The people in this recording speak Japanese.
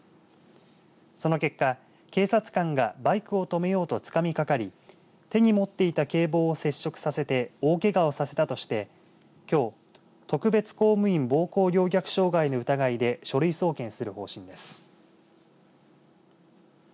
その結果、警察官がバイクを止めようとつかみかかり手に持っていた警棒を接触させて大けがをさせたとして、きょう特別公務員暴行陵虐傷害の疑いで書類送検する方針です。